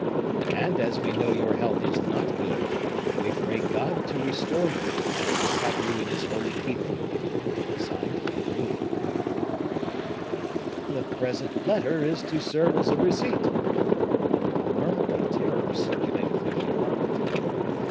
"'And, as we know your health is not good, we pray God to restore you, and to have you in His holy keeping. "'LOUIS. "'The present letter is to serve as a receipt.'" A murmur of terror circulated through the apartment.